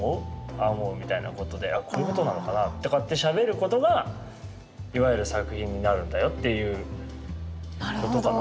「ああ思う」みたいなことで「あこういうことなのかな」とかってしゃべることがいわゆる作品になるんだよっていうことかな。